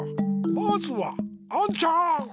まずはアンちゃん！